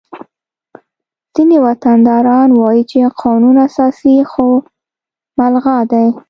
ځینې وطنداران وایي چې قانون اساسي خو ملغا دی